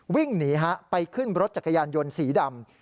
วิ่งหนีฮะไปขึ้นรถจักรยานยนต์สีดำ